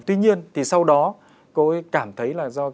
tuy nhiên thì sau đó cô ấy cảm thấy là do